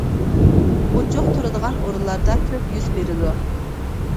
ئوچۇق تۇرىدىغان ئورۇنلاردا كۆپ يۈز بېرىدۇ.